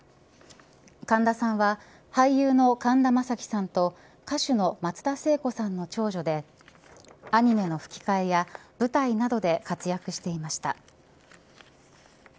神田さんは俳優の神田正輝さんと歌手の松田聖子さんの長女でアニメの吹き替えや舞台などで活躍していました。